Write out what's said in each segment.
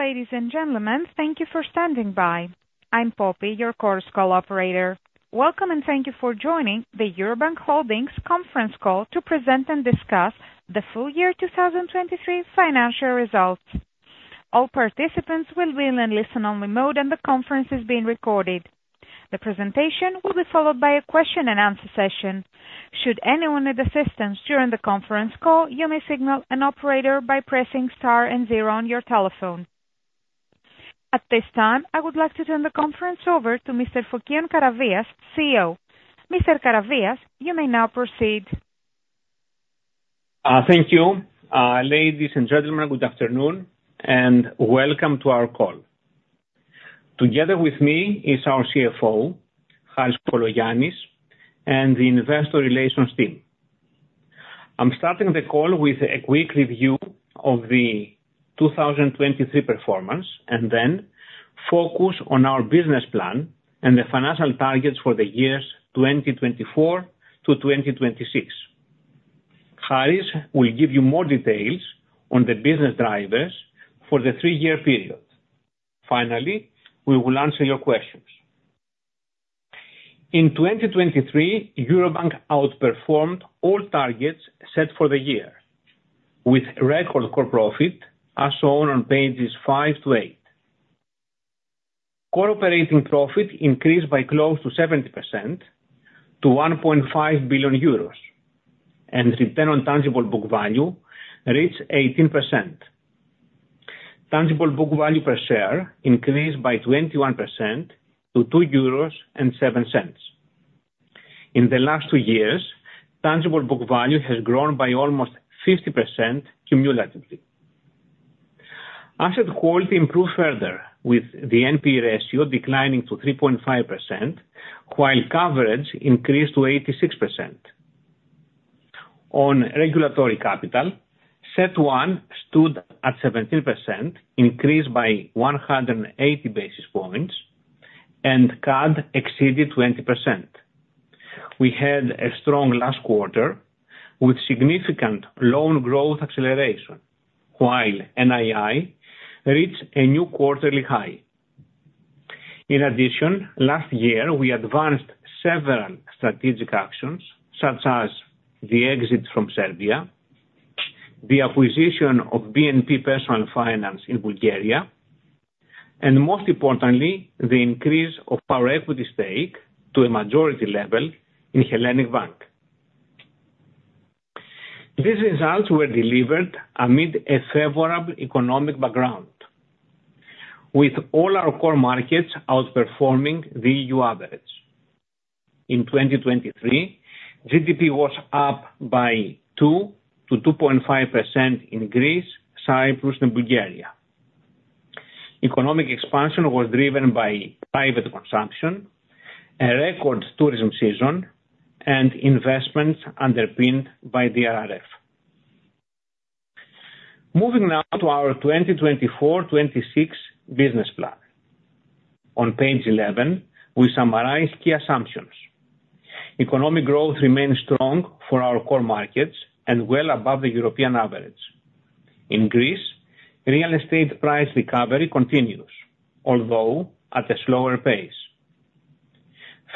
Ladies and gentlemen, thank you for standing by. I'm Poppy, your Chorus Call operator. Welcome, and thank you for joining the Eurobank Holdings conference call to present and discuss the full year 2023 financial results. All participants will be in a listen-only mode, and the conference is being recorded. The presentation will be followed by a question-and-answer session. Should anyone need assistance during the conference call, you may signal an operator by pressing star and 0 on your telephone. At this time, I would like to turn the conference over to Mr. Fokion Karavias, CEO. Mr. Karavias, you may now proceed. Thank you. Ladies and gentlemen, good afternoon, and welcome to our call. Together with me is our CFO, Harris Kokologiannis, and the investor relations team. I'm starting the call with a quick review of the 2023 performance and then focus on our business plan and the financial targets for the years 2024 to 2026. Harris will give you more details on the business drivers for the three-year period. Finally, we will answer your questions. In 2023, Eurobank outperformed all targets set for the year, with record core profit as shown on pages 5 to 8. Core operating profit increased by close to 70% to 1.5 billion euros, and return on tangible book value reached 18%. Tangible book value per share increased by 21% to 2.07 euros. In the last two years, tangible book value has grown by almost 50% cumulatively. Asset quality improved further, with the NPE ratio declining to 3.5% while coverage increased to 86%. On regulatory capital, CET1 stood at 17%, increased by 180 basis points, and CAD exceeded 20%. We had a strong last quarter with significant loan growth acceleration, while NII reached a new quarterly high. In addition, last year, we advanced several strategic actions such as the exit from Serbia, the acquisition of BNP Personal Finance in Bulgaria, and most importantly, the increase of our equity stake to a majority level in Hellenic Bank. These results were delivered amid a favorable economic background, with all our core markets outperforming the EU average. In 2023, GDP was up by 2%-2.5% in Greece, Cyprus, and Bulgaria. Economic expansion was driven by private consumption, a record tourism season, and investments underpinned by the RRF. Moving now to our 2024-26 business plan. On page 11, we summarize key assumptions. Economic growth remains strong for our core markets and well above the European average. In Greece, real estate price recovery continues, although at a slower pace.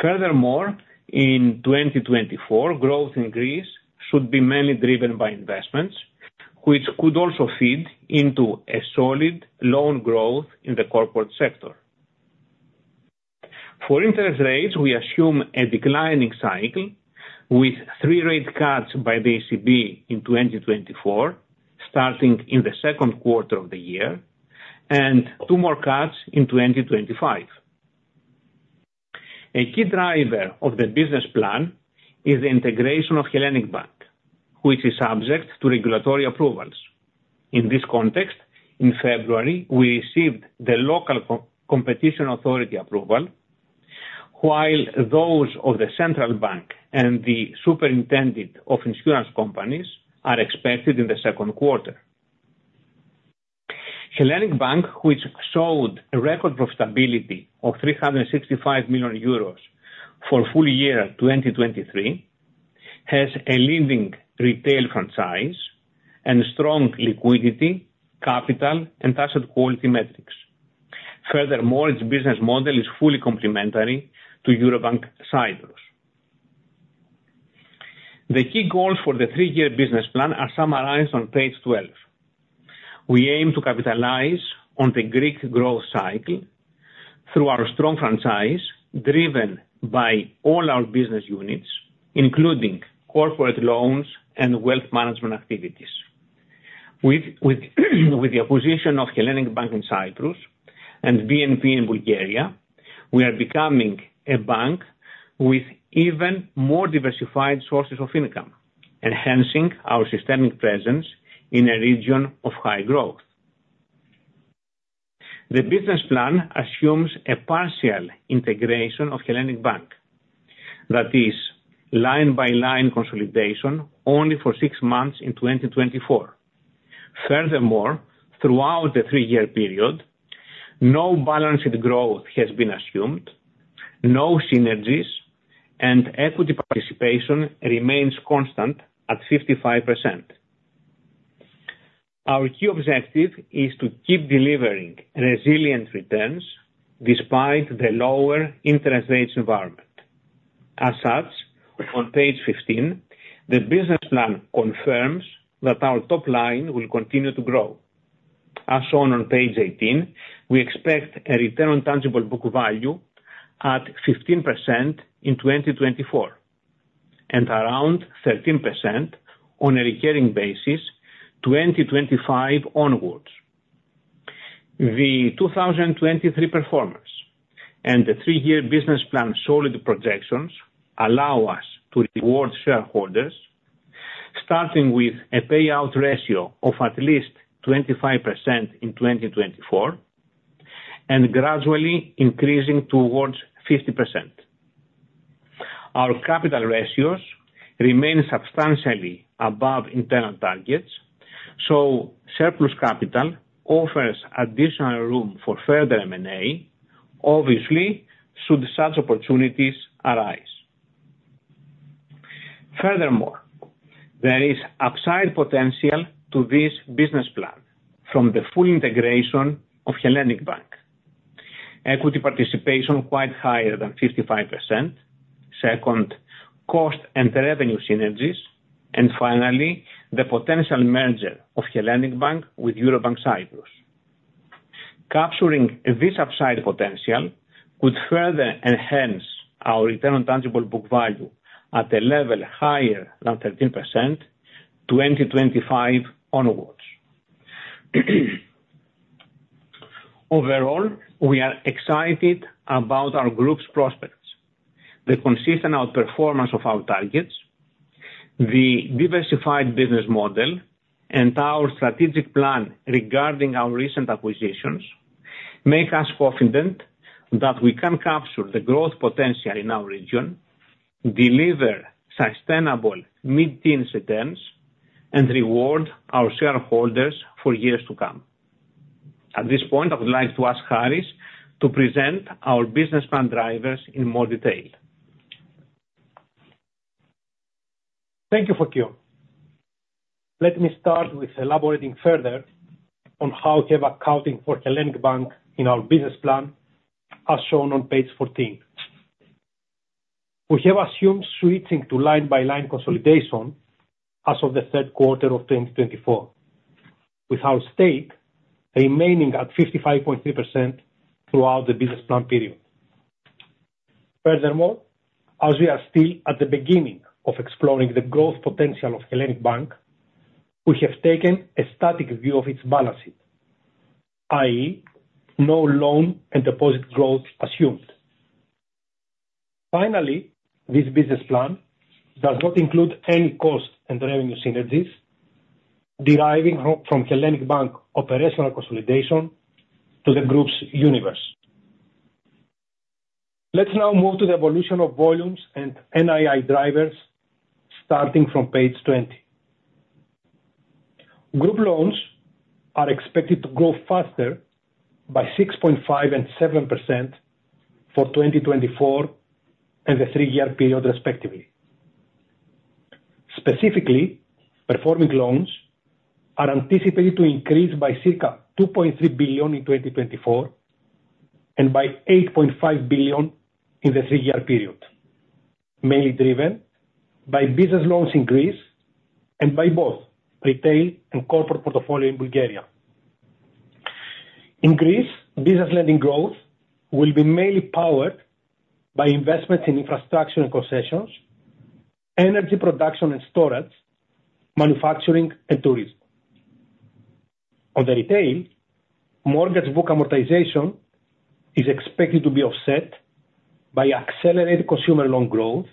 Furthermore, in 2024, growth in Greece should be mainly driven by investments, which could also feed into a solid loan growth in the corporate sector. For interest rates, we assume a declining cycle with three rate cuts by the ECB in 2024, starting in the second quarter of the year, and two more cuts in 2025. A key driver of the business plan is the integration of Hellenic Bank, which is subject to regulatory approvals. In this context, in February, we received the local competition authority approval, while those of the central bank and the Superintendent of Insurance are expected in the second quarter. Hellenic Bank, which showed a record profitability of 365 million euros for full year 2023, has a leading retail franchise and strong liquidity, capital, and asset quality metrics. Furthermore, its business model is fully complementary to Eurobank's Cyprus. The key goals for the three-year business plan are summarized on page 12. We aim to capitalize on the Greek growth cycle through our strong franchise driven by all our business units, including corporate launch and wealth management activities. With the acquisition of Hellenic Bank in Cyprus and BNP in Bulgaria, we are becoming a bank with even more diversified sources of income, enhancing our systemic presence in a region of high growth. The business plan assumes a partial integration of Hellenic Bank. That is, line-by-line consolidation only for six months in 2024. Furthermore, throughout the three-year period, no balance sheet growth has been assumed, no synergies, and equity participation remains constant at 55%. Our key objective is to keep delivering resilient returns despite the lower interest rates environment. As such, on page 15, the business plan confirms that our top line will continue to grow. As shown on page 18, we expect a return on tangible book value at 15% in 2024 and around 13% on a recurring basis 2025 onwards. The 2023 performance and the three-year business plan solid projections allow us to reward shareholders, starting with a payout ratio of at least 25% in 2024 and gradually increasing towards 50%. Our capital ratios remain substantially above internal targets, so surplus capital offers additional room for further M&A, obviously, should such opportunities arise. Furthermore, there is upside potential to this business plan from the full integration of Hellenic Bank, equity participation quite higher than 55%, second, cost and revenue synergies, and finally, the potential merger of Hellenic Bank with Eurobank Cyprus. Capturing this upside potential could further enhance our return on tangible book value at a level higher than 13% 2025 onwards. Overall, we are excited about our group's prospects. The consistent outperformance of our targets, the diversified business model, and our strategic plan regarding our recent acquisitions make us confident that we can capture the growth potential in our region, deliver sustainable mid-teens returns, and reward our shareholders for years to come. At this point, I would like to ask Harris to present our business plan drivers in more detail. Thank you, Fokion. Let me start with elaborating further on how we have accounting for Hellenic Bank in our business plan, as shown on page 14. We have assumed switching to line-by-line consolidation as of the third quarter of 2024, with our stake remaining at 55.3% throughout the business plan period. Furthermore, as we are still at the beginning of exploring the growth potential of Hellenic Bank, we have taken a static view of its balance sheet, i.e., no loan and deposit growth assumed. Finally, this business plan does not include any cost and revenue synergies deriving from Hellenic Bank operational consolidation to the group's universe. Let's now move to the evolution of volumes and NII drivers starting from page 20. Group loans are expected to grow faster by 6.5%-7% for 2024 and the three-year period, respectively. Specifically, performing loans are anticipated to increase by circa 2.3 billion in 2024 and by 8.5 billion in the three-year period, mainly driven by business loans in Greece and by both retail and corporate portfolio in Bulgaria. In Greece, business lending growth will be mainly powered by investments in infrastructure and concessions, energy production and storage, manufacturing, and tourism. On the retail, mortgage book amortization is expected to be offset by accelerated consumer loan growth,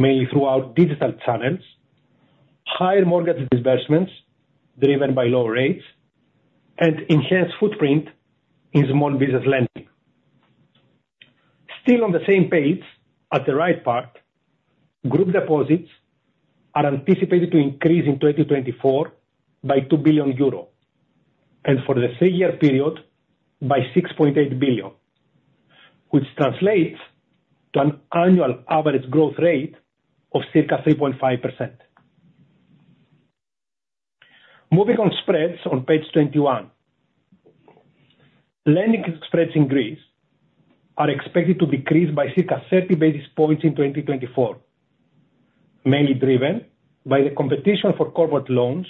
mainly throughout digital channels, higher mortgage disbursements driven by lower rates, and enhanced footprint in small business lending. Still on the same page at the right part, group deposits are anticipated to increase in 2024 by 2 billion euro and for the three-year period by 6.8 billion, which translates to an annual average growth rate of circa 3.5%. Moving on spreads on page 21. Lending spreads in Greece are expected to decrease by circa 30 basis points in 2024, mainly driven by the competition for corporate loans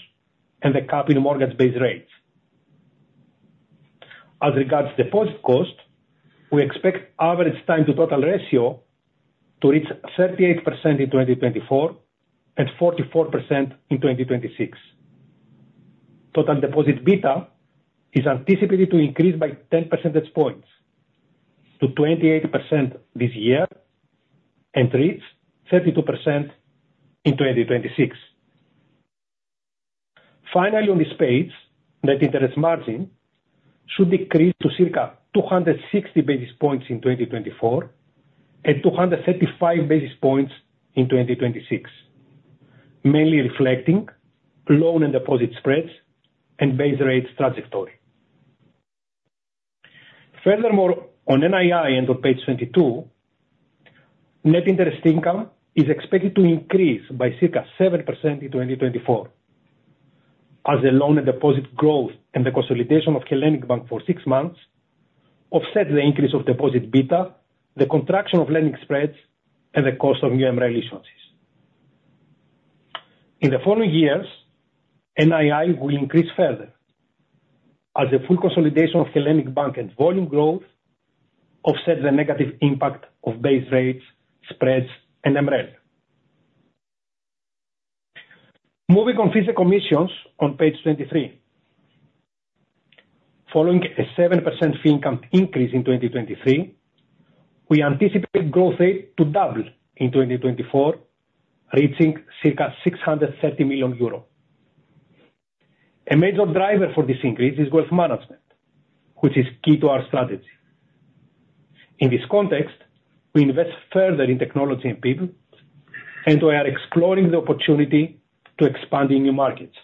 and the capping mortgage base rates. As regards deposit cost, we expect average time-to-total ratio to reach 38% in 2024 and 44% in 2026. Total deposit beta is anticipated to increase by 10 percentage points to 28% this year and reach 32% in 2026. Finally, on this page, net interest margin should decrease to circa 260 basis points in 2024 and 235 basis points in 2026, mainly reflecting loan and deposit spreads and base rates trajectory. Furthermore, on NII and on page 22, net interest income is expected to increase by circa 7% in 2024. As the loan and deposit growth and the consolidation of Hellenic Bank for six months offset the increase of deposit beta, the contraction of lending spreads, and the cost of new MREL issuances. In the following years, NII will increase further as the full consolidation of Hellenic Bank and volume growth offset the negative impact of base rates, spreads, and MREL. Moving on to fees and commissions on page 23. Following a 7% fee income increase in 2023, we anticipate growth rate to double in 2024, reaching circa 630 million euro. A major driver for this increase is wealth management, which is key to our strategy. In this context, we invest further in technology and people, and we are exploring the opportunity to expand in new markets.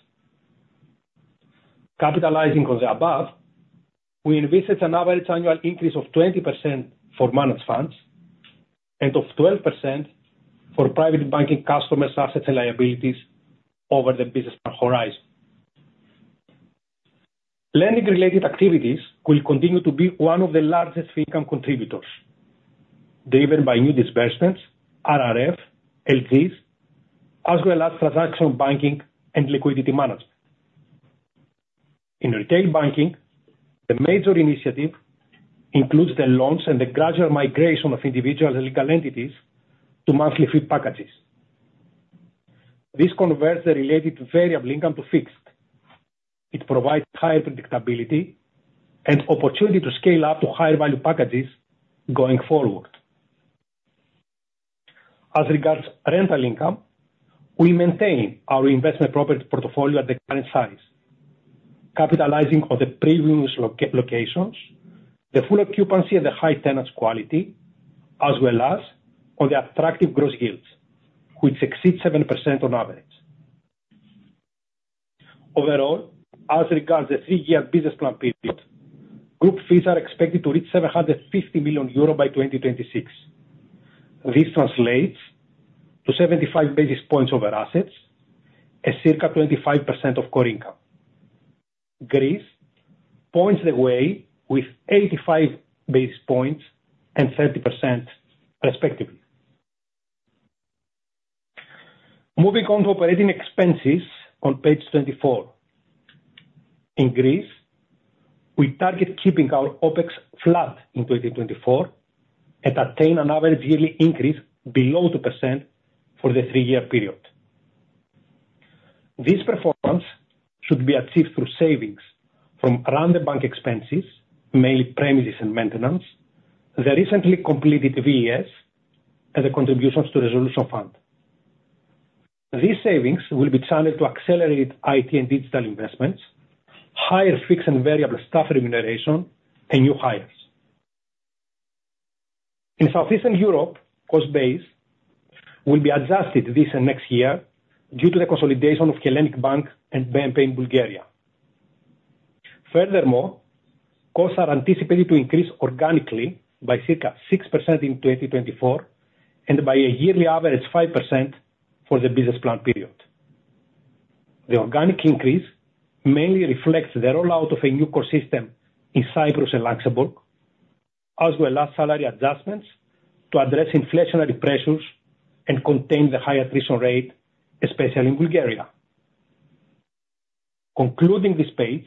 Capitalizing on the above, we envisage an average annual increase of 20% for managed funds and of 12% for private banking customers' assets and liabilities over the business plan horizon. Lending-related activities will continue to be one of the largest fee income contributors driven by new disbursements, RRF, LGs, as well as transactional banking and liquidity management. In retail banking, the major initiative includes the loans and the gradual migration of individuals and legal entities to monthly fee packages. This converts the related variable income to fixed. It provides higher predictability and opportunity to scale up to higher-value packages going forward. As regards rental income, we maintain our investment property portfolio at the current size, capitalizing on the previous locations, the full occupancy, and the high tenant quality, as well as on the attractive gross yields, which exceed 7% on average. Overall, as regards the three-year business plan period, group fees are expected to reach 750 million euro by 2026. This translates to 75 basis points over assets and circa 25% of core income. Greece points the way with 85 basis points and 30%, respectively. Moving on to operating expenses on page 24. In Greece, we target keeping our OpEx flat in 2024 and attain an average yearly increase below 2% for the three-year period. This performance should be achieved through savings from run-the-bank expenses, mainly premises and maintenance, the recently completed VES, and the contributions to the Resolution Fund. These savings will be channeled to accelerate IT and digital investments, higher fixed and variable staff remuneration, and new hires. In Southeastern Europe, cost base will be adjusted this and next year due to the consolidation of Hellenic Bank and BNP in Bulgaria. Furthermore, costs are anticipated to increase organically by circa 6% in 2024 and by a yearly average of 5% for the business plan period. The organic increase mainly reflects the rollout of a new core system in Cyprus and Luxembourg, as well as salary adjustments to address inflationary pressures and contain the high attrition rate, especially in Bulgaria. Concluding this page,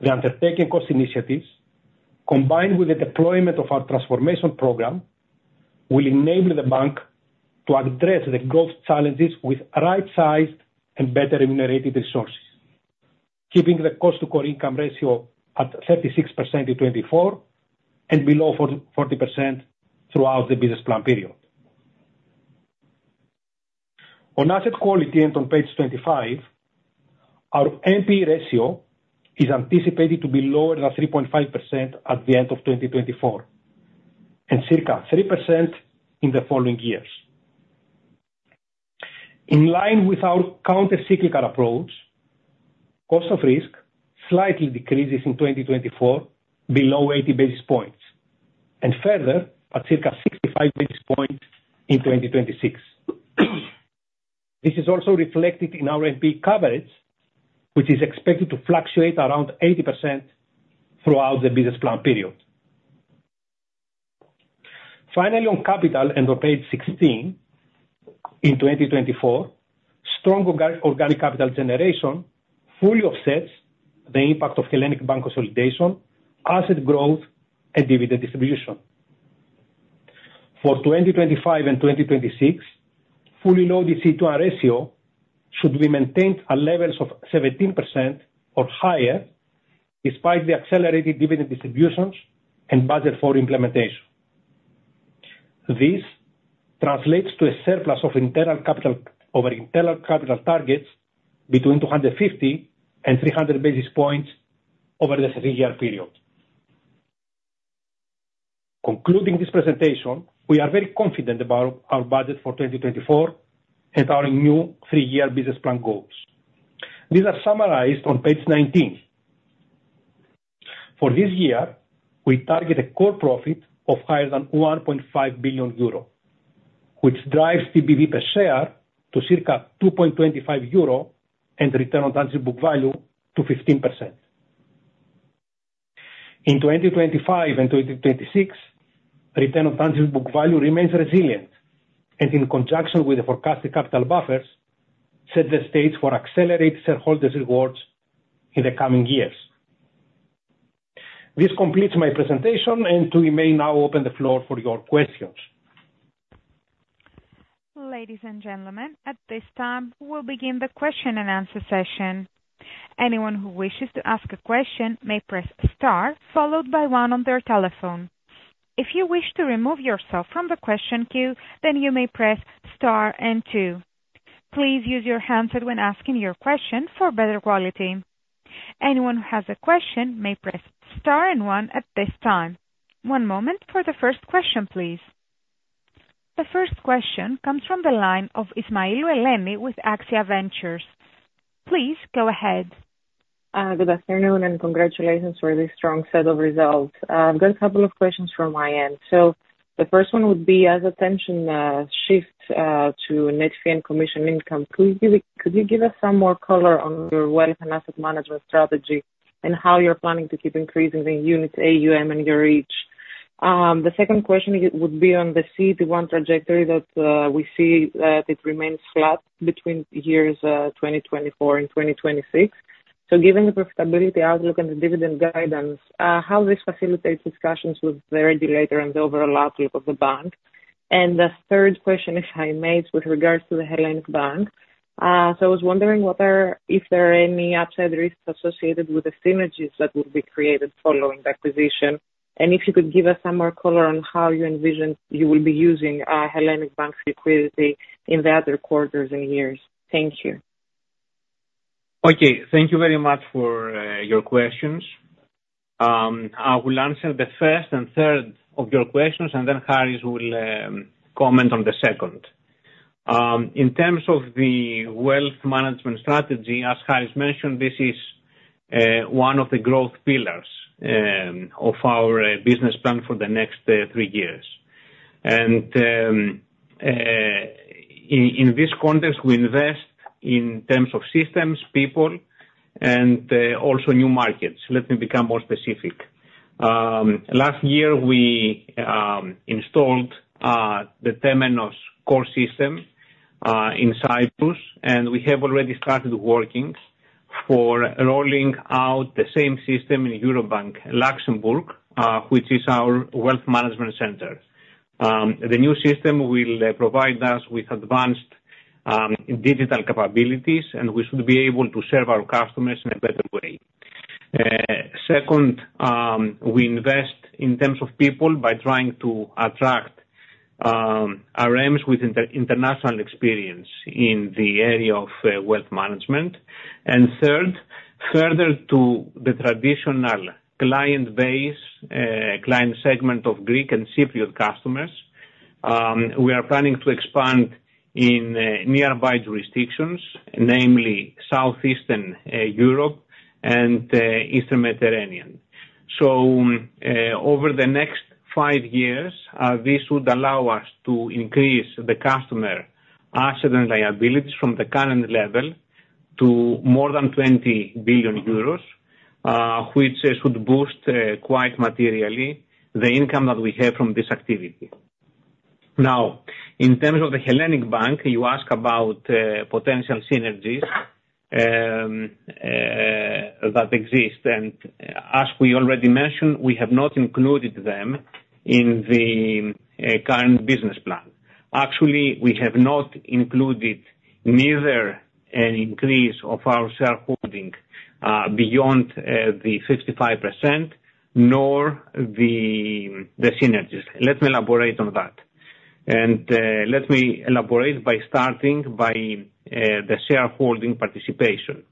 the undertaking cost initiatives, combined with the deployment of our transformation program, will enable the bank to address the growth challenges with right-sized and better remunerated resources, keeping the cost-to-core income ratio at 36% in 2024 and below 40% throughout the business plan period. On asset quality and on page 25, our NPE ratio is anticipated to be lower than 3.5% at the end of 2024 and circa 3% in the following years. In line with our countercyclical approach, cost of risk slightly decreases in 2024 below 80 basis points and further at circa 65 basis points in 2026. This is also reflected in our NPE coverage, which is expected to fluctuate around 80% throughout the business plan period. Finally, on capital and on page 16 in 2024, strong organic capital generation fully offsets the impact of Hellenic Bank consolidation, asset growth, and dividend distribution. For 2025 and 2026, fully loaded CET1 ratio should be maintained at levels of 17% or higher despite the accelerated dividend distributions and Basel IV implementation. This translates to a surplus of internal capital over internal capital targets between 250 and 300 basis points over the three-year period. Concluding this presentation, we are very confident about our budget for 2024 and our new three-year business plan goals. These are summarized on page 19. For this year, we target a core profit of higher than 1.5 billion euro, which drives TBV per share to circa 2.25 euro and return on tangible book value to 15%. In 2025 and 2026, return on tangible book value remains resilient and in conjunction with the forecasted capital buffers set the stage for accelerated shareholders' rewards in the coming years. This completes my presentation and now I'll open the floor for your questions. Ladies and gentlemen, at this time, we'll begin the question and answer session. Anyone who wishes to ask a question may press star followed by one on their telephone. If you wish to remove yourself from the question queue, then you may press star and two. Please use your handset when asking your question for better quality. Anyone who has a question may press star and one at this time. One moment for the first question, please. The first question comes from the line of Eleni Ismailou with Axia Ventures. Please go ahead. Good afternoon and congratulations for this strong set of results. I've got a couple of questions from my end. So the first one would be as attention shifts to net fee and commission income, could you give us some more color on your wealth and asset management strategy and how you're planning to keep increasing the units, AUM, and your reach? The second question would be on the CET1 trajectory that we see that it remains flat between years 2024 and 2026. So given the profitability outlook and the dividend guidance, how this facilitates discussions with the regulator and the overall outlook of the bank? And the third question is I made with regards to the Hellenic Bank. I was wondering what are if there are any upside risks associated with the synergies that would be created following the acquisition and if you could give us some more color on how you envision you will be using Hellenic Bank's liquidity in the other quarters and years? Thank you. Okay. Thank you very much for your questions. I will answer the first and third of your questions and then Harris will comment on the second. In terms of the wealth management strategy, as Harris mentioned, this is one of the growth pillars of our business plan for the next three years. In this context, we invest in terms of systems, people, and also new markets. Let me become more specific. Last year, we installed the Temenos core system in Cyprus and we have already started working for rolling out the same system in Eurobank Luxembourg, which is our wealth management center. The new system will provide us with advanced digital capabilities and we should be able to serve our customers in a better way. Second, we invest in terms of people by trying to attract RMs with international experience in the area of wealth management. And third, further to the traditional client base, client segment of Greek and Cypriot customers, we are planning to expand in nearby jurisdictions, namely Southeastern Europe and Eastern Mediterranean. So over the next five years, this would allow us to increase the customer asset and liabilities from the current level to more than 20 billion euros, which should boost quite materially the income that we have from this activity. Now, in terms of the Hellenic Bank, you ask about potential synergies that exist and as we already mentioned, we have not included them in the current business plan. Actually, we have not included neither an increase of our shareholding beyond the 55% nor the synergies. Let me elaborate on that. And let me elaborate by starting by the shareholding participation.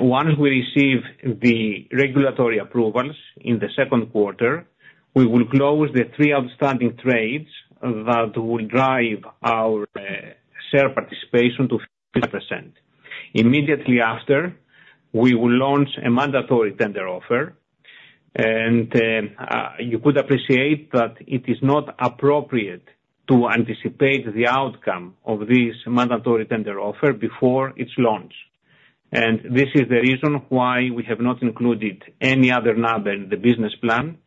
Once we receive the regulatory approvals in the second quarter, we will close the three outstanding trades that will drive our share participation to 50%. Immediately after, we will launch a mandatory tender offer. You could appreciate that it is not appropriate to anticipate the outcome of this mandatory tender offer before it's launched. This is the reason why we have not included any other number in the business plan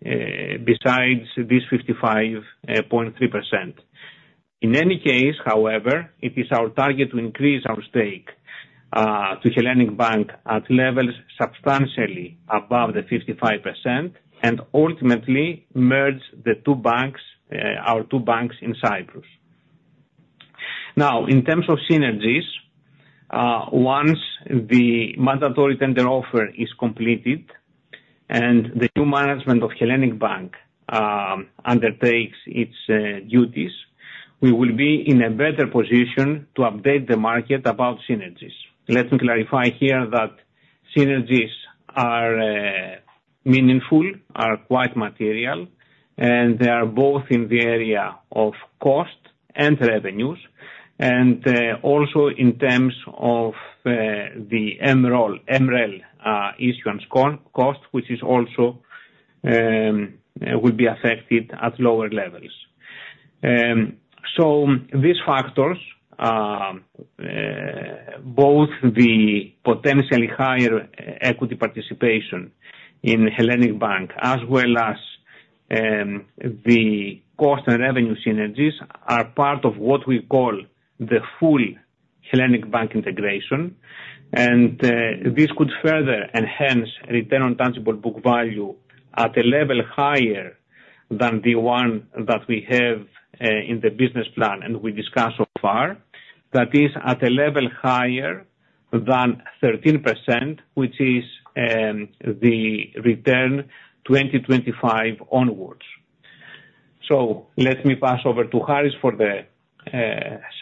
besides this 55.3%. In any case, however, it is our target to increase our stake to Hellenic Bank at levels substantially above the 55% and ultimately merge the two banks, our two banks in Cyprus. Now, in terms of synergies, once the mandatory tender offer is completed and the new management of Hellenic Bank undertakes its duties, we will be in a better position to update the market about synergies. Let me clarify here that synergies are meaningful, are quite material, and they are both in the area of cost and revenues and also in terms of the MREL issuance cost, which is also will be affected at lower levels. So these factors, both the potentially higher equity participation in Hellenic Bank as well as the cost and revenue synergies, are part of what we call the full Hellenic Bank integration. And this could further enhance return on tangible book value at a level higher than the one that we have in the business plan and we discussed so far. That is at a level higher than 13%, which is the return 2025 onwards. So let me pass over to Harris for the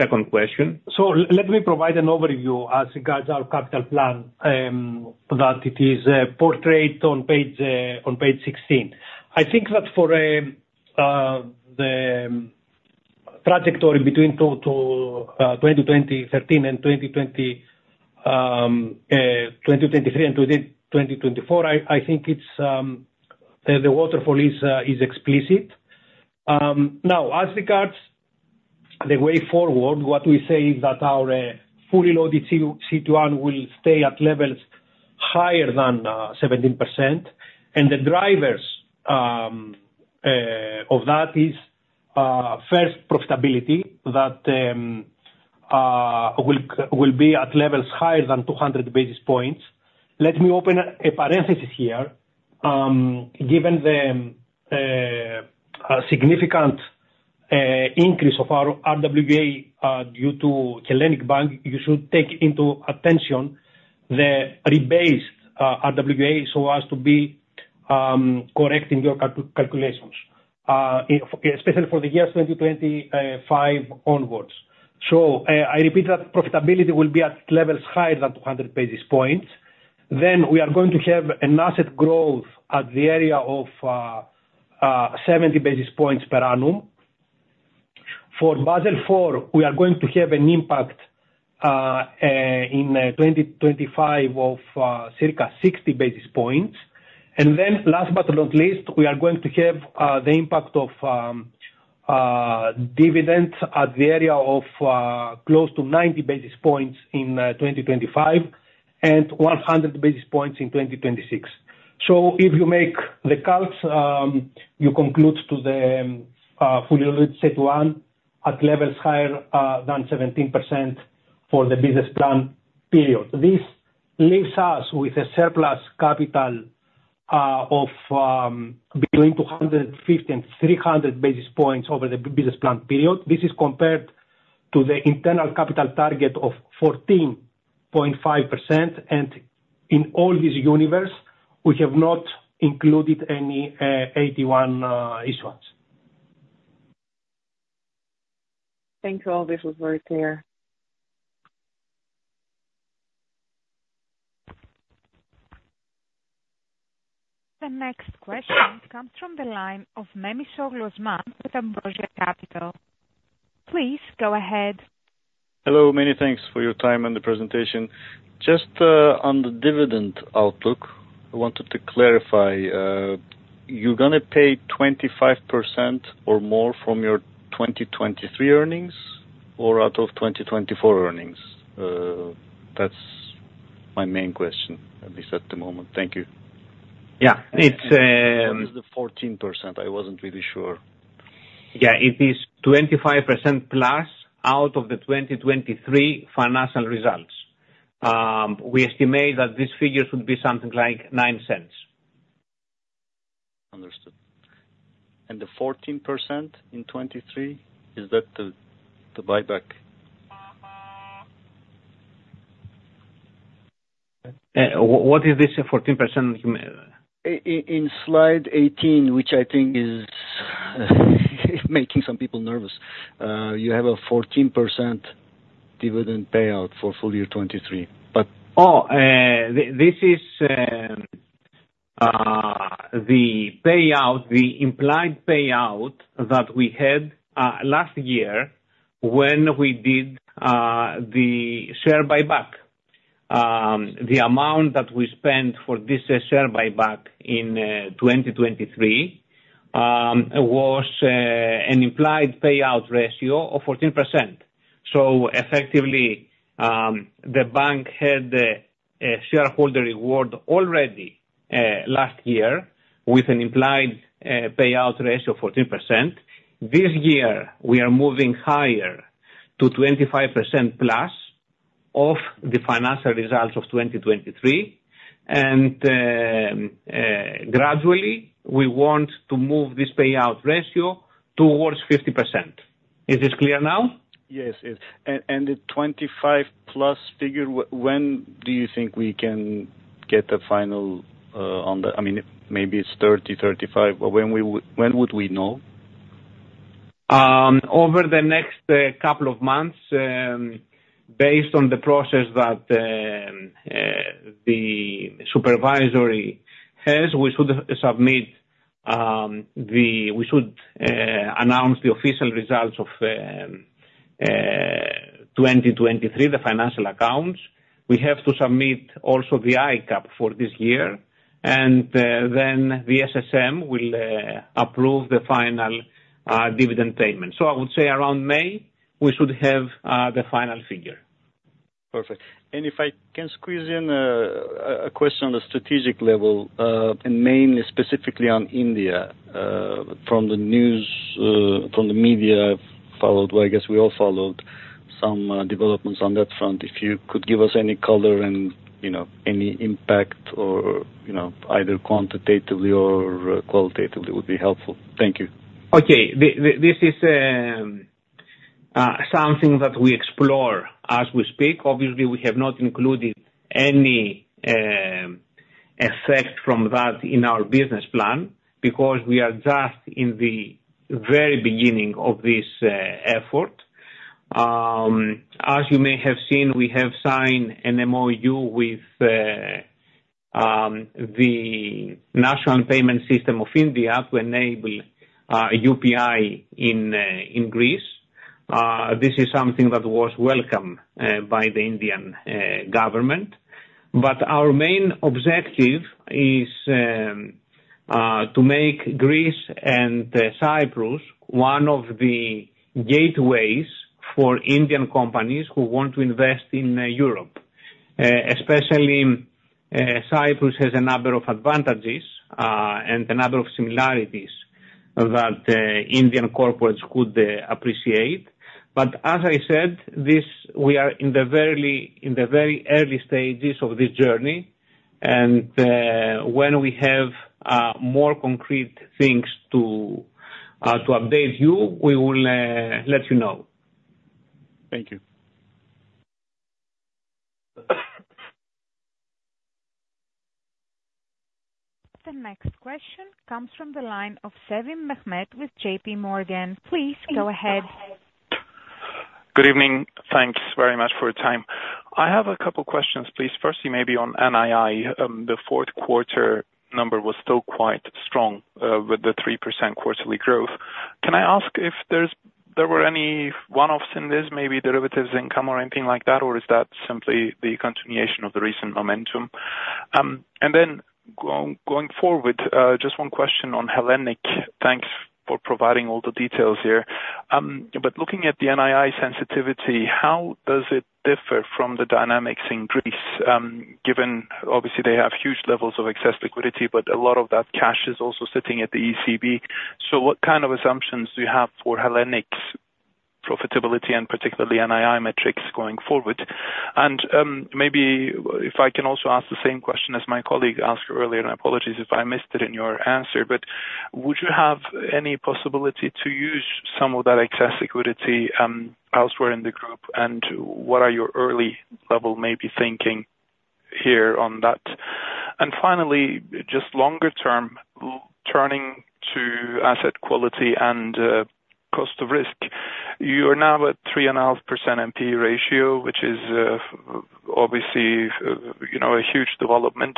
second question. So let me provide an overview as regards our capital plan that it is portrayed on page 16. I think that for the trajectory between 2020-2023 and 2024, I think the waterfall is explicit. Now, as regards the way forward, what we say is that our fully loaded CET1 will stay at levels higher than 17%. And the drivers of that is first, profitability that will be at levels higher than 200 basis points. Let me open a parenthesis here. Given the significant increase of our RWA due to Hellenic Bank, you should take into account the rebased RWA so as to be correct in your calculations, especially for the years 2025 onwards. So I repeat that profitability will be at levels higher than 200 basis points. Then we are going to have an asset growth at the area of 70 basis points per annum. For Basel IV, we are going to have an impact in 2025 of circa 60 basis points. Then last but not least, we are going to have the impact of dividends at the area of close to 90 basis points in 2025 and 100 basis points in 2026. If you make the calculations, you conclude to the fully loaded CET1 at levels higher than 17% for the business plan period. This leaves us with a surplus capital of between 250 and 300 basis points over the business plan period. This is compared to the internal capital target of 14.5%. In all this universe, we have not included any AT1 issuance. Thank you all. This was very clear. The next question comes from the line of Osman Memisoglu with Ambrosia Capital. Please go ahead. Hello. Many thanks for your time and the presentation. Just on the dividend outlook, I wanted to clarify. You're going to pay 25% or more from your 2023 earnings or out of 2024 earnings? That's my main question at least at the moment. Thank you. Yeah. It's. What is the 14%? I wasn't really sure. Yeah. It is 25% plus out of the 2023 financial results. We estimate that these figures would be something like 0.09. Understood. And the 14% in 2023, is that the buyback? What is this 14%? In slide 18, which I think is making some people nervous, you have a 14% dividend payout for full year 2023, but. Oh, this is the payout, the implied payout that we had last year when we did the share buyback. The amount that we spent for this share buyback in 2023 was an implied payout ratio of 14%. So effectively, the bank had a shareholder reward already last year with an implied payout ratio of 14%. This year, we are moving higher to 25% plus of the financial results of 2023. Gradually, we want to move this payout ratio towards 50%. Is this clear now? Yes, it is. And the 25+ figure, when do you think we can get the final on the? I mean, maybe it's 30, 35, but when would we know? Over the next couple of months, based on the process that the supervisory has, we should announce the official results of 2023, the financial accounts. We have to submit also the ICAAP for this year. And then the SSM will approve the final dividend payment. So I would say around May, we should have the final figure. Perfect. And if I can squeeze in a question on the strategic level and mainly specifically on India from the news, from the media followed, well, I guess we all followed some developments on that front. If you could give us any color and any impact or either quantitatively or qualitatively would be helpful. Thank you. Okay. This is something that we explore as we speak. Obviously, we have not included any effect from that in our business plan because we are just in the very beginning of this effort. As you may have seen, we have signed an MOU with the National Payments Corporation of India to enable UPI in Greece. This is something that was welcomed by the Indian government. But our main objective is to make Greece and Cyprus one of the gateways for Indian companies who want to invest in Europe. Especially Cyprus has a number of advantages and a number of similarities that Indian corporates could appreciate. But as I said, we are in the very early stages of this journey. And when we have more concrete things to update you, we will let you know. Thank you. The next question comes from the line of Mehmet Sevim with J.P. Morgan. Please go ahead. Good evening. Thanks very much for your time. I have a couple of questions, please. Firstly, maybe on NII. The fourth quarter number was still quite strong with the 3% quarterly growth. Can I ask if there were any one-offs in this, maybe derivatives income or anything like that, or is that simply the continuation of the recent momentum? And then going forward, just one question on Hellenic. Thanks for providing all the details here. But looking at the NII sensitivity, how does it differ from the dynamics in Greece? Given obviously, they have huge levels of excess liquidity, but a lot of that cash is also sitting at the ECB. So what kind of assumptions do you have for Hellenic's profitability and particularly NII metrics going forward? And maybe if I can also ask the same question as my colleague asked earlier, and apologies if I missed it in your answer, but would you have any possibility to use some of that excess liquidity elsewhere in the group? And what are your early level maybe thinking here on that? And finally, just longer term, turning to asset quality and cost of risk, you are now at 3.5% NPE ratio, which is obviously a huge development.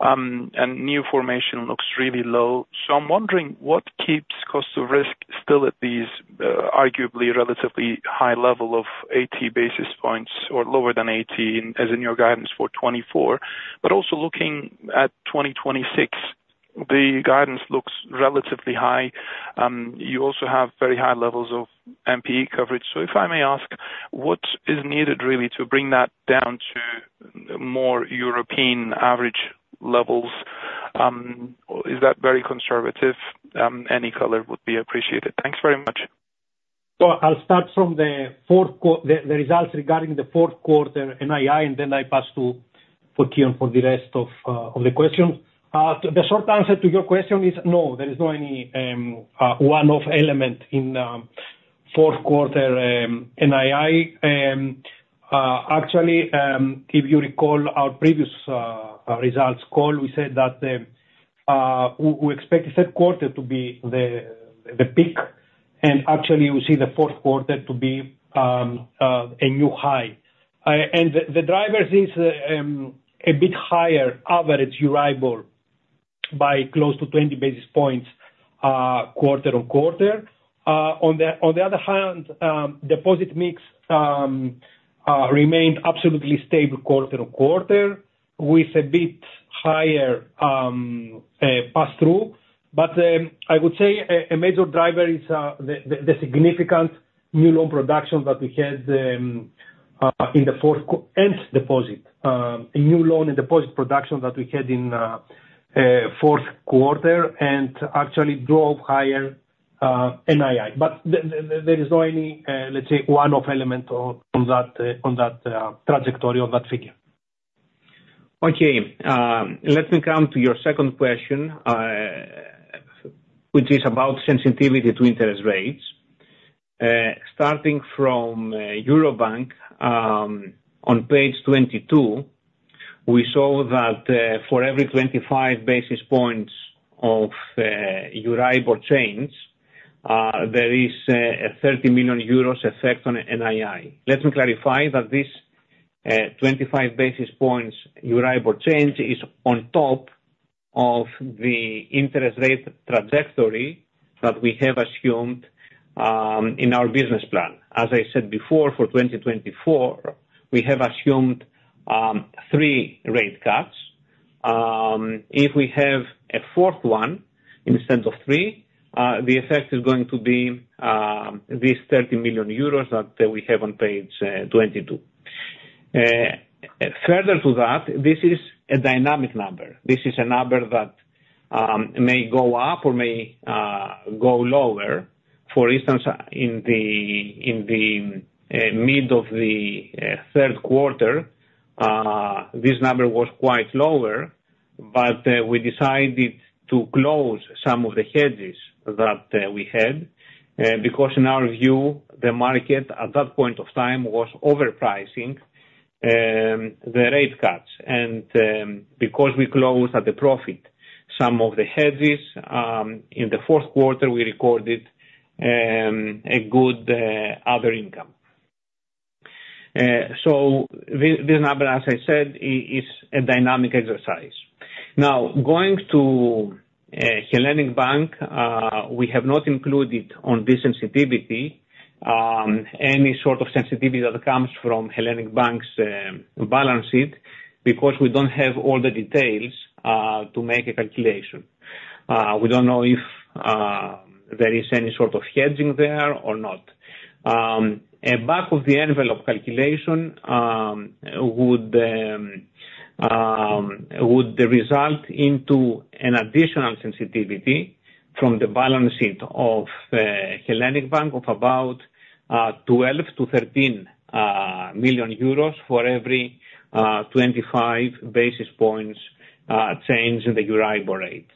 And new formation looks really low. So I'm wondering what keeps cost of risk still at these arguably relatively high level of 80 basis points or lower than 80 as in your guidance for 2024? But also looking at 2026, the guidance looks relatively high. You also have very high levels of NPE coverage. So if I may ask, what is needed really to bring that down to more European average levels? Is that very conservative? Any color would be appreciated. Thanks very much. So I'll start from the results regarding the fourth quarter NII, and then I pass to Fokion for the rest of the questions. The short answer to your question is no. There is no any one-off element in fourth quarter NII. Actually, if you recall our previous results call, we said that we expect third quarter to be the peak. And actually, we see the fourth quarter to be a new high. And the driver is a bit higher average Euribor by close to 20 basis points quarter-on-quarter. On the other hand, deposit mix remained absolutely stable quarter-on-quarter with a bit higher pass-through. But I would say a major driver is the significant new loan production that we had in the fourth and deposit, a new loan and deposit production that we had in fourth quarter and actually drove higher NII. But there is no any, let's say, one-off element on that trajectory or that figure. Okay. Let me come to your second question, which is about sensitivity to interest rates. Starting from Eurobank, on page 22, we saw that for every 25 basis points of Euribor change, there is a 30 million euros effect on NII. Let me clarify that this 25 basis points Euribor change is on top of the interest rate trajectory that we have assumed in our business plan. As I said before, for 2024, we have assumed three rate cuts. If we have a fourth one instead of three, the effect is going to be this 30 million euros that we have on page 22. Further to that, this is a dynamic number. This is a number that may go up or may go lower. For instance, in the midst of the third quarter, this number was quite lower. We decided to close some of the hedges that we had because in our view, the market at that point of time was overpricing the rate cuts. Because we closed at a profit some of the hedges, in the fourth quarter, we recorded a good other income. This number, as I said, is a dynamic exercise. Now, going to Hellenic Bank, we have not included on this sensitivity any sort of sensitivity that comes from Hellenic Bank's balance sheet because we don't have all the details to make a calculation. We don't know if there is any sort of hedging there or not. A back-of-the-envelope calculation would result into an additional sensitivity from the balance sheet of Hellenic Bank of about 12 million-13 million euros for every 25 basis points change in the Euribor rate.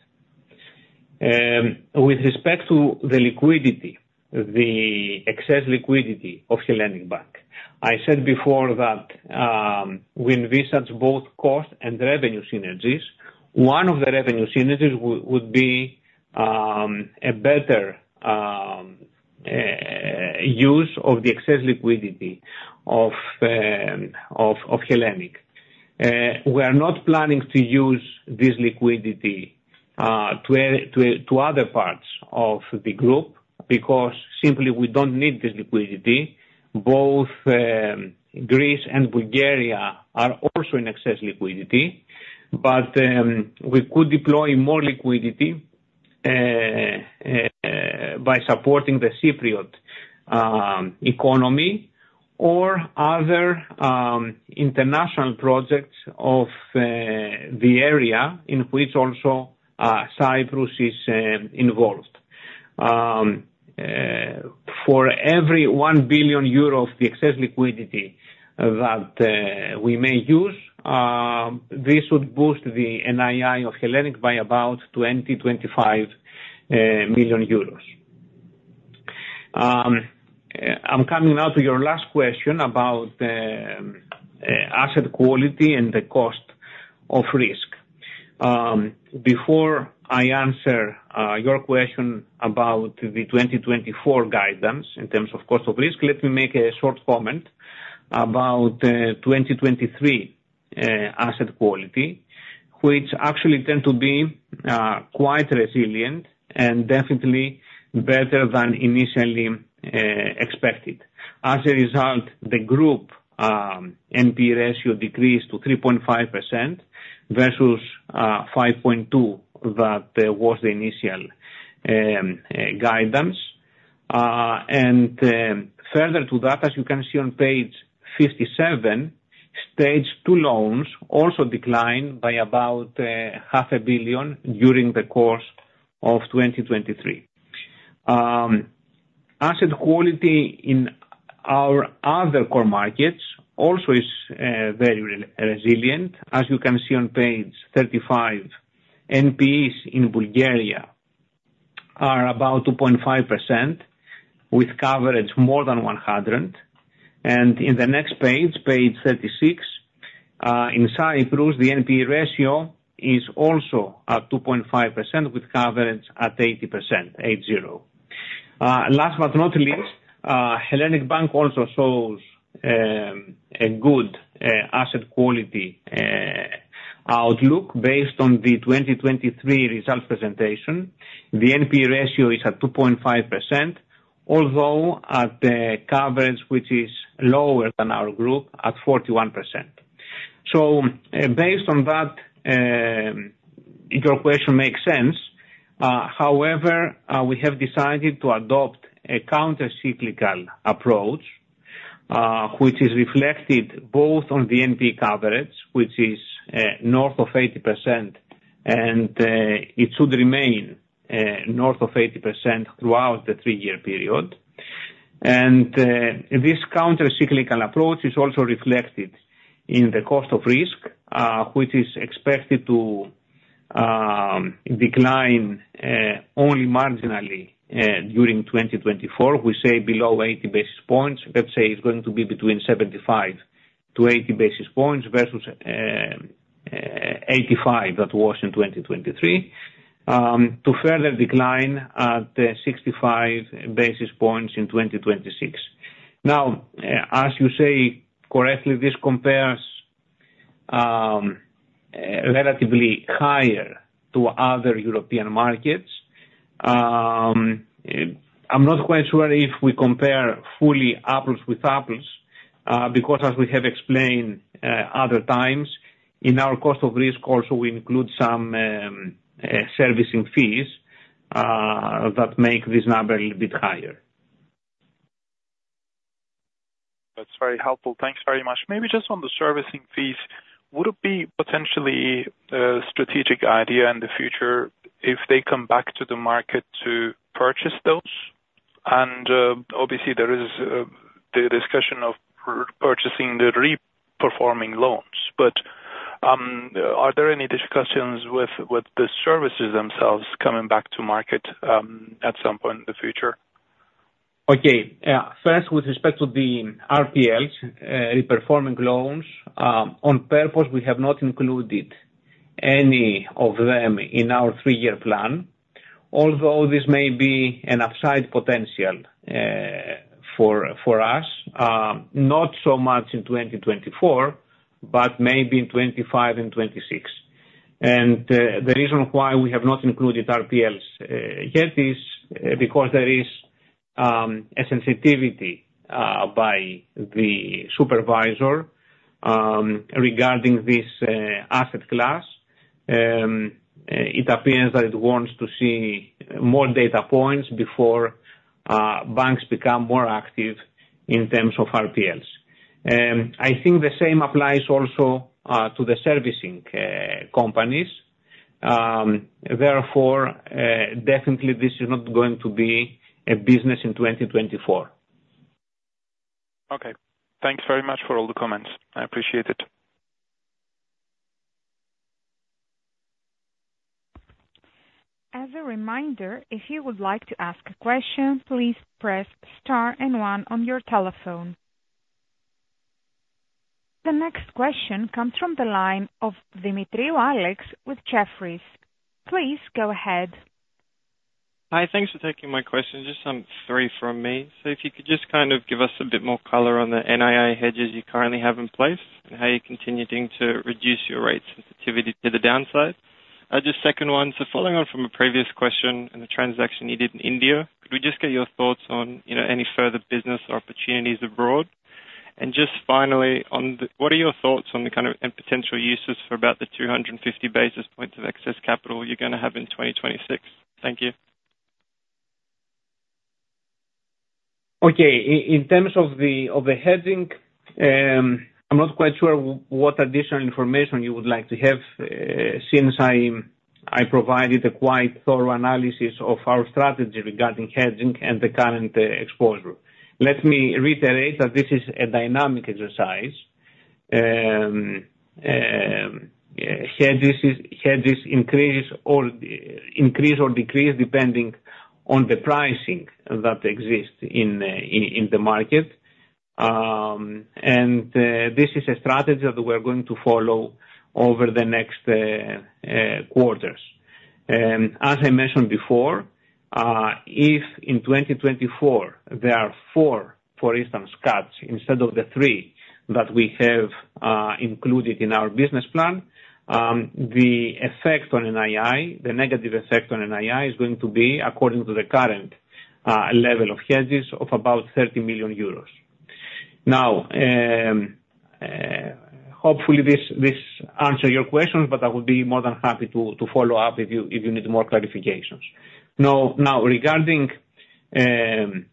With respect to the liquidity, the excess liquidity of Hellenic Bank, I said before that when we achieve both cost and revenue synergies, one of the revenue synergies would be a better use of the excess liquidity of Hellenic. We are not planning to use this liquidity to other parts of the group because simply we don't need this liquidity. Both Greece and Bulgaria are also in excess liquidity. But we could deploy more liquidity by supporting the Cypriot economy or other international projects of the area in which also Cyprus is involved. For every 1 billion euro of the excess liquidity that we may use, this would boost the NII of Hellenic by about 20 million-25 million euros. I'm coming now to your last question about asset quality and the cost of risk. Before I answer your question about the 2024 guidance in terms of cost of risk, let me make a short comment about 2023 asset quality, which actually tend to be quite resilient and definitely better than initially expected. As a result, the group NPE ratio decreased to 3.5% versus 5.2% that was the initial guidance. And further to that, as you can see on page 57, Stage 2 loans also declined by about 500 million during the course of 2023. Asset quality in our other core markets also is very resilient. As you can see on page 35, NPEs in Bulgaria are about 2.5% with coverage more than 100%. And in the next page, page 36, in Cyprus, the NPE ratio is also at 2.5% with coverage at 80%, 80. Last but not least, Hellenic Bank also shows a good asset quality outlook based on the 2023 results presentation. The NPE ratio is at 2.5%, although at coverage, which is lower than our group at 41%. So based on that, your question makes sense. However, we have decided to adopt a countercyclical approach, which is reflected both on the NPE coverage, which is north of 80%, and it should remain north of 80% throughout the three-year period. And this countercyclical approach is also reflected in the cost of risk, which is expected to decline only marginally during 2024. We say below 80 basis points. Let's say it's going to be between 75-80 basis points versus 85 that was in 2023 to further decline at 65 basis points in 2026. Now, as you say correctly, this compares relatively higher to other European markets. I'm not quite sure if we compare fully apples with apples because, as we have explained other times, in our cost of risk, also we include some servicing fees that make this number a little bit higher. That's very helpful. Thanks very much. Maybe just on the servicing fees, would it be potentially a strategic idea in the future if they come back to the market to purchase those? And obviously, there is the discussion of purchasing the reperforming loans. But are there any discussions with the servicers themselves coming back to market at some point in the future? Okay. First, with respect to the RPLs, reperforming loans, on purpose, we have not included any of them in our three-year plan, although this may be an upside potential for us, not so much in 2024, but maybe in 2025 and 2026. The reason why we have not included RPLs yet is because there is a sensitivity by the supervisor regarding this asset class. It appears that it wants to see more data points before banks become more active in terms of RPLs. I think the same applies also to the servicing companies. Therefore, definitely, this is not going to be a business in 2024. Okay. Thanks very much for all the comments. I appreciate it. As a reminder, if you would like to ask a question, please press star and one on your telephone. The next question comes from the line of Alex Demetriou with Jefferies. Please go ahead. Hi. Thanks for taking my question. Just three from me. So if you could just kind of give us a bit more color on the NII hedges you currently have in place and how you're continuing to reduce your rate sensitivity to the downside. Just the second one. So following on from a previous question and the transaction you did in India, could we just get your thoughts on any further business or opportunities abroad? And just finally, what are your thoughts on the kind of potential uses for about the 250 basis points of excess capital you're going to have in 2026? Thank you. Okay. In terms of the hedging, I'm not quite sure what additional information you would like to have since I provided a quite thorough analysis of our strategy regarding hedging and the current exposure. Let me reiterate that this is a dynamic exercise. Hedges increase or decrease depending on the pricing that exists in the market. And this is a strategy that we are going to follow over the next quarters. As I mentioned before, if in 2024, there are 4, for instance, cuts instead of the 3 that we have included in our business plan, the effect on NII, the negative effect on NII is going to be, according to the current level of hedges, of about 30 million euros. Now, hopefully, this answered your questions, but I would be more than happy to follow up if you need more clarifications. Now, regarding other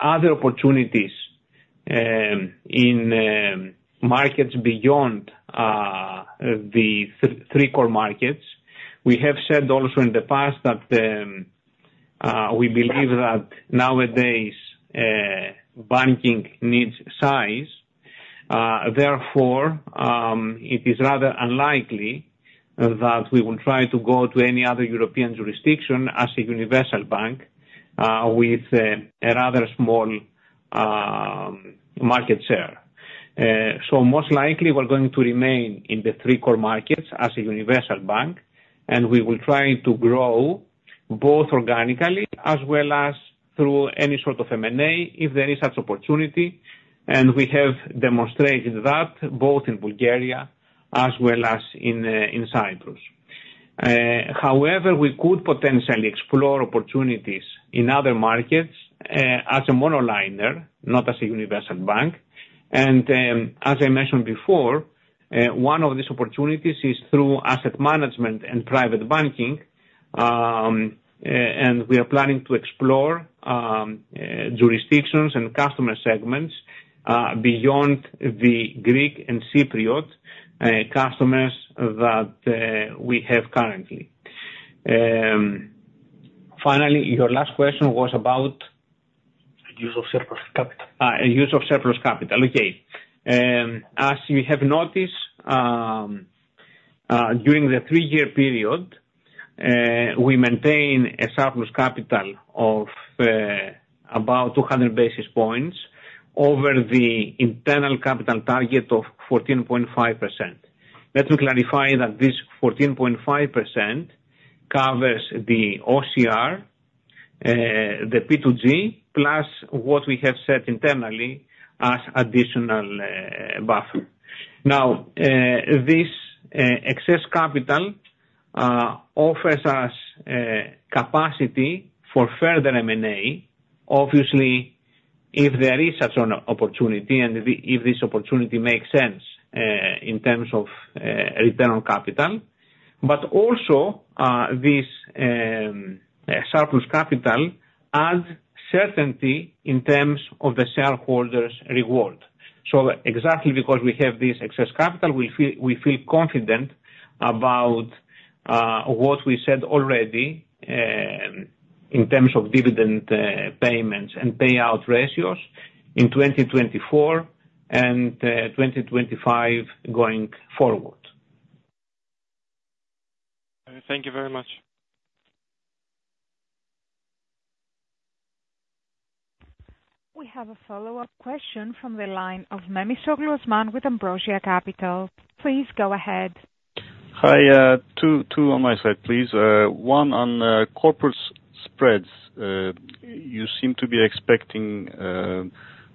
opportunities in markets beyond the three core markets, we have said also in the past that we believe that nowadays, banking needs size. Therefore, it is rather unlikely that we will try to go to any other European jurisdiction as a universal bank with a rather small market share. Most likely, we're going to remain in the three core markets as a universal bank, and we will try to grow both organically as well as through any sort of M&A if there is such opportunity. We have demonstrated that both in Bulgaria as well as in Cyprus. However, we could potentially explore opportunities in other markets as a monoliner, not as a universal bank. As I mentioned before, one of these opportunities is through asset management and private banking. We are planning to explore jurisdictions and customer segments beyond the Greek and Cypriot customers that we have currently. Finally, your last question was about. Use of surplus capital. Use of surplus capital. Okay. As you have noticed, during the three-year period, we maintain a surplus capital of about 200 basis points over the internal capital target of 14.5%. Let me clarify that this 14.5% covers the OCR, the P2G, plus what we have set internally as additional buffer. Now, this excess capital offers us capacity for further M&A, obviously, if there is such an opportunity and if this opportunity makes sense in terms of return on capital. But also, this surplus capital adds certainty in terms of the shareholders' reward. So exactly because we have this excess capital, we feel confident about what we said already in terms of dividend payments and payout ratios in 2024 and 2025 going forward. Thank you very much. We have a follow-up question from the line of Osman Memisoglu with Ambrosia Capital. Please go ahead. Hi. Two on my side, please. One on corporate spreads. You seem to be expecting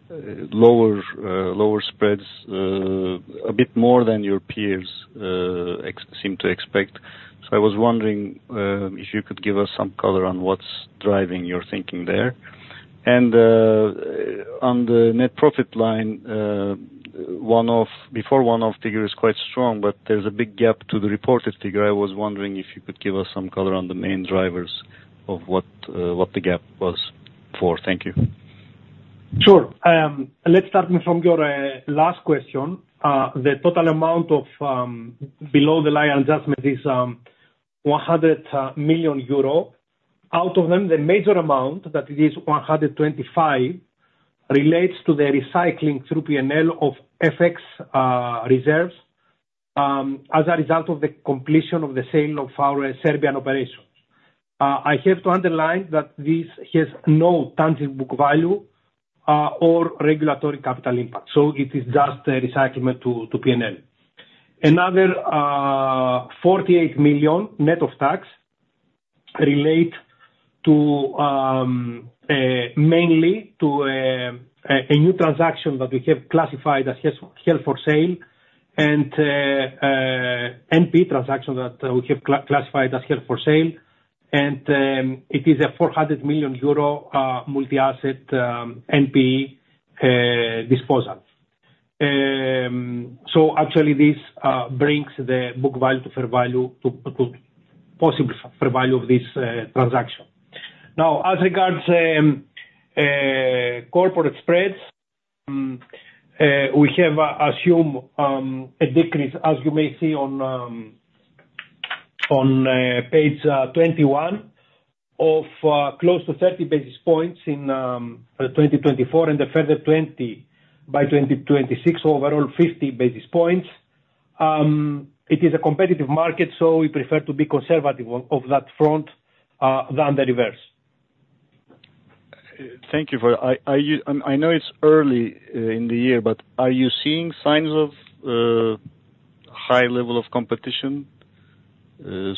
lower spreads a bit more than your peers seem to expect. I was wondering if you could give us some color on what's driving your thinking there. On the net profit line, before one-off figure is quite strong, but there's a big gap to the reported figure. I was wondering if you could give us some color on the main drivers of what the gap was for. Thank you. Sure. Let's start from your last question. The total amount below the line adjustment is 100 million euro. Out of them, the major amount, that it is 125, relates to the recycling through P&L of FX reserves as a result of the completion of the sale of our Serbian operations. I have to underline that this has no tangible value or regulatory capital impact. So it is just recycling to P&L. Another 48 million net of tax relate mainly to a new transaction that we have classified as held for sale an NPE transaction that we have classified as held for sale. And it is a 400 million euro multi-asset NPE disposal. So actually, this brings the book value to fair value, possible fair value of this transaction. Now, as regards corporate spreads, we have assumed a decrease, as you may see on page 21, of close to 30 basis points in 2024 and a further 20 by 2026, overall 50 basis points. It is a competitive market, so we prefer to be conservative on that front than the reverse. Thank you. I know it's early in the year, but are you seeing signs of high level of competition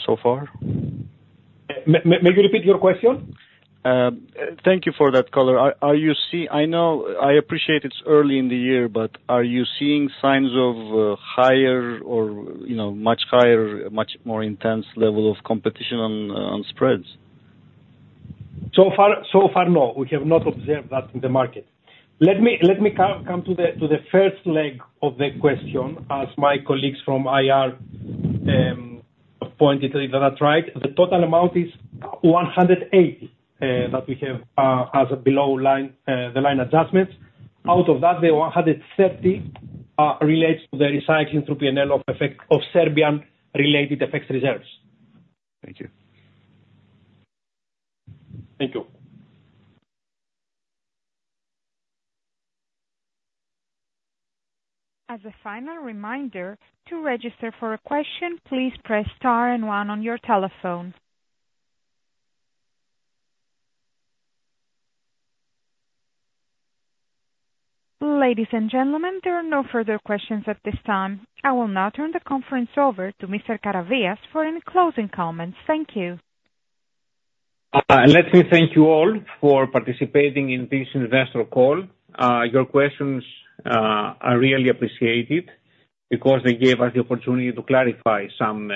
so far? May you repeat your question? Thank you for that color. I know, I appreciate it's early in the year, but are you seeing signs of higher or much higher, much more intense level of competition on spreads? So far, no. We have not observed that in the market. Let me come to the first leg of the question as my colleagues from IR pointed it out right. The total amount is 180 that we have as below the line adjustments. Out of that, the 130 relates to the recycling through P&L of Serbian-related FX reserves. Thank you. Thank you. As a final reminder, to register for a question, please press star and one on your telephone. Ladies and gentlemen, there are no further questions at this time. I will now turn the conference over to Mr. Karavias for any closing comments. Thank you. Let me thank you all for participating in this investor call. Your questions are really appreciated because they gave us the opportunity to clarify some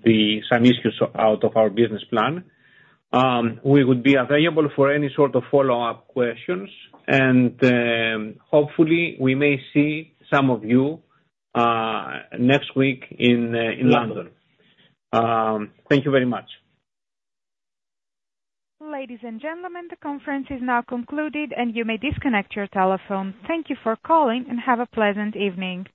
issues out of our business plan. We would be available for any sort of follow-up questions. Hopefully, we may see some of you next week in London. Thank you very much. Ladies and gentlemen, the conference is now concluded, and you may disconnect your telephone. Thank you for calling and have a pleasant evening.